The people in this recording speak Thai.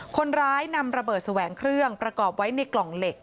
คนร้ายนำระเบิดแสวงเครื่องประกอบไว้ในกล่องเหล็ก